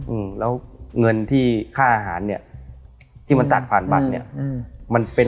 อืมแล้วเงินที่ค่าอาหารเนี้ยที่มันตัดผ่านบัตรเนี้ยอืมมันเป็น